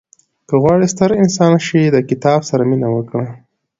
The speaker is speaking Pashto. • که غواړې ستر انسان شې، د کتاب سره مینه وکړه.